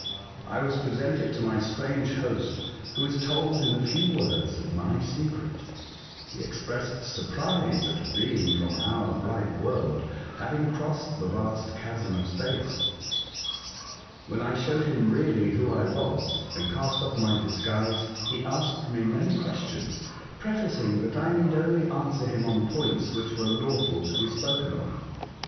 I was presented to my strange host, who was told in a few words my secret. He expressed surprise at a being from our bright world having crossed the vast chasm of space. When I showed him really who I was, and cast off my disguise, he asked me many questions, pre facing that I need only answer him on points which were lawful to be spoken of.